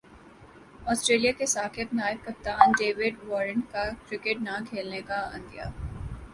Australia کے سابق نائب کپتان ڈیوڈ وارنر کا کرکٹ نہ کھیلنے کا عندیہ